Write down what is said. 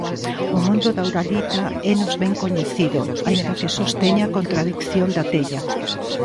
O mundo da uralita énos ben coñecido, aínda que sosteña a contradición da tella.